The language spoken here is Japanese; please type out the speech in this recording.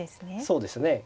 そうですね。